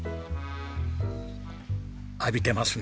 浴びてますね。